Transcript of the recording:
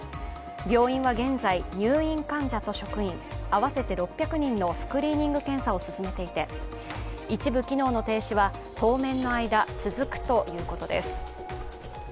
病院は現在、入院患者と職員合わせて６００人のスクリーニング検査を進めていて一部機能の停止は当面の間、続くということです。